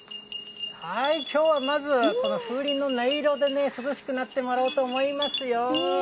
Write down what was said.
きょうはまず、この風鈴の音色でね、涼しくなってもらおうと思いますよ。